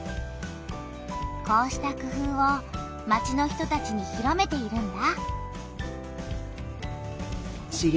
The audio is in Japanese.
こうした工夫を町の人たちに広めているんだ。